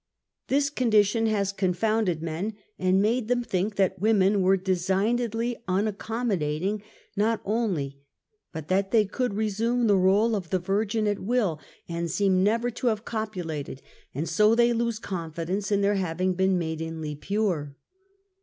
This condition has confounded men, and made them think that women were designedly unaccom modating not only, but that they could assume the xole of the virgin at will, and seem never to have ■copulated, and so they lose confidence in their having been maidenly pure.